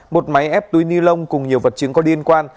một máy ép túi ni lông cùng nhiều vật chứng có liên quan